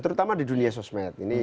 terutama di dunia sosmed